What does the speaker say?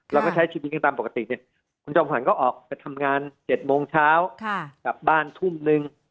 เราก็ใช้ชีวิตกันตามปกติเนี่ยคุณจอมขวัญก็ออกไปทำงาน๗โมงเช้ากลับบ้านทุ่มนึง